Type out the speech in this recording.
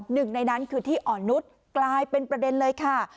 หนึ่งในนั้นคือที่อ่อนนุษย์กลายเป็นประเด็นเลยค่ะ